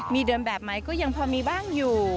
มีเดินแบบไหมก็ยังพอมีบ้างอยู่